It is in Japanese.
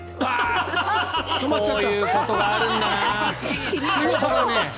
こういうことがあるんだな。